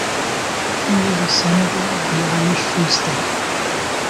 He was a Senator of the Irish Free State.